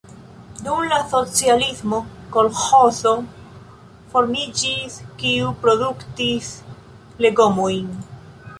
Dum la socialismo kolĥozo formiĝis, kiu produktis legomojn.